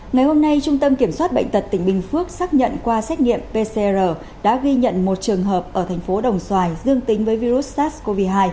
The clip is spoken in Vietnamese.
ngày hôm nay trung tâm kiểm soát bệnh tật tỉnh bình phước xác nhận qua xét nghiệm pcr đã ghi nhận một trường hợp ở thành phố đồng xoài dương tính với virus sars cov hai